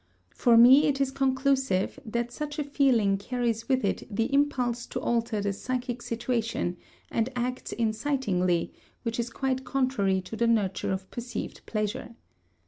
For me it is conclusive that such a feeling carries with it the impulse to alter the psychic situation, and acts incitingly, which is quite contrary to the nature of perceived pleasure.